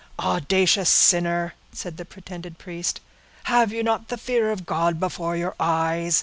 "Audacious sinner!" said the pretended priest, "have you not the fear of God before your eyes?